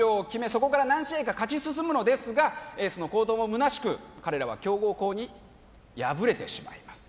そこから何試合か勝ち進むのですがエースの好投もむなしく彼らは強豪校に敗れてしまいます